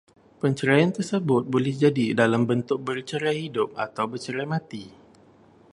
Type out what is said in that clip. Perceraian tersebut boleh jadi dalam bentuk bercerai hidup atau bercerai mati